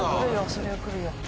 そりゃ来るよ。